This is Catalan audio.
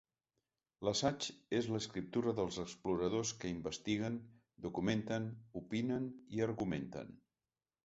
L'assaig és l'escriptura dels exploradors que investiguen, documenten, opinen i argumenten.